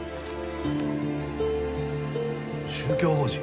宗教法人？